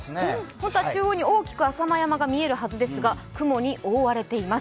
本当は大きく浅間山が見えるはずですが雲に覆われています。